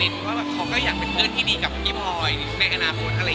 ต่อก็ได้ค่ะ